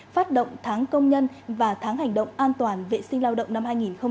phát động tháng công nhân và tháng hành động an toàn vệ sinh lao động năm hai nghìn hai mươi